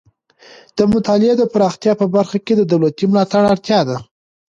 د مطالعې د پراختیا په برخه کې د دولتي ملاتړ اړتیا ده.